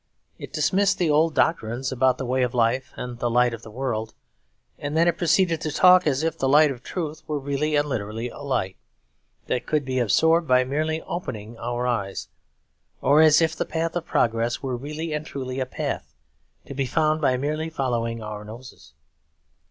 It dismissed the old doctrines about the way of life and the light of the world; and then it proceeded to talk as if the light of truth were really and literally a light, that could be absorbed by merely opening our eyes; or as if the path of progress were really and truly a path, to be found by merely following our noses.